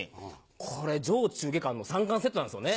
これ上・中・下巻の３巻セットなんですよね。